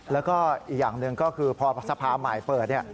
แล้วก็อีกอย่างหนึ่งก็คือพอสภาใหม่เปิด